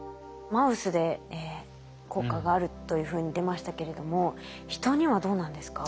マウスで効果があるというふうに出ましたけれども人にはどうなんですか？